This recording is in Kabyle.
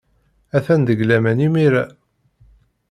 Atan deg laman imir-a.